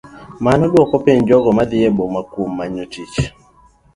Mano duoko piny jogo madhi e boma kuom manyo tich.